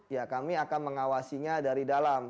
ya kami akan mengawasinya dari dalam